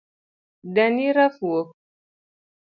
Dani rafuok